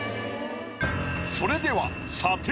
それでは査定。